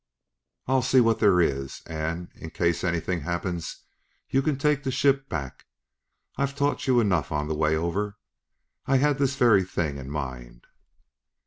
I'll see what is there; and, in case anything happens, you can take the ship back. I've taught you enough on the way over; I had this very thing in mind."